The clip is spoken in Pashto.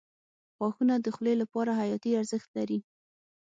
• غاښونه د خولې لپاره حیاتي ارزښت لري.